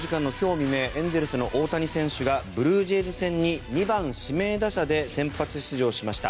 未明エンゼルスの大谷選手がブルージェイズ戦に２番指名打者で先発出場しました。